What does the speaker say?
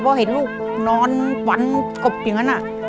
พอเห็นลูกนอนหวานกับอย่างงั้นอะ